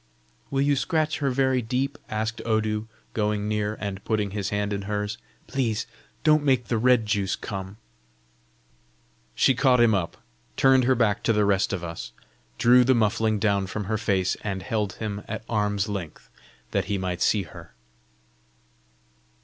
"Will you scratch her very deep?" asked Odu, going near, and putting his hand in hers. "Please, don't make the red juice come!" She caught him up, turned her back to the rest of us, drew the muffling down from her face, and held him at arms' length that he might see her.